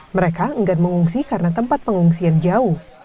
mereka enggan mengungsi karena tempat pengungsian jauh